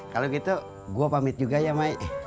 kalau gitu gue pamit juga ya mai